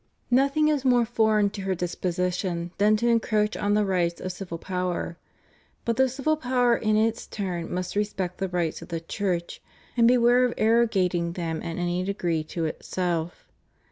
Nothing is more foreign to her disposition than to en croach on the rights of civil power; but the civil power in its turn must respect the rights of the Church, and beware of arrogating them in any degree to itself.